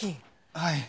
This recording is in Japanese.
はい。